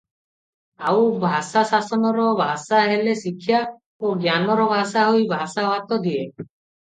ଆଉ ଭାଷା ଶାସନର ଭାଷା ହେଲେ ଶିକ୍ଷା ଓ ଜ୍ଞାନର ଭାଷା ହୋଇ ଭାଷା ଭାତ ଦିଏ ।